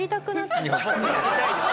ちょっとやりたいです。